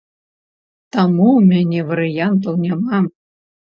Таму ў мяне варыянтаў няма.